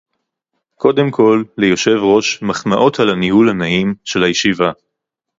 קודם כול ליושב-ראש מחמאות על הניהול הנעים של הישיבה